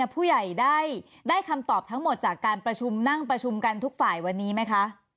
ผู้ใหญ่ได้คำตอบทั้งหมดจากการประชุมนั่งประชุมกันทุกฝ่ายวันนี้ไหมคะ